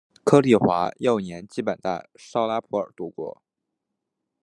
柯棣华幼年基本在绍拉普尔度过。